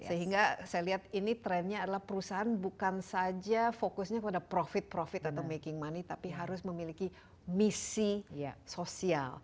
sehingga saya lihat ini trennya adalah perusahaan bukan saja fokusnya pada profit profit atau making money tapi harus memiliki misi sosial